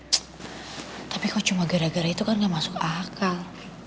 tapi kok cuma gara gara itu kan gak masuk akal